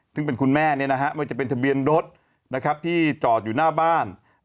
ซึ่งเป็นคุณแม่ไม่ว่าจะเป็นทะเบียนรถที่จอดอยู่หน้าบ้าน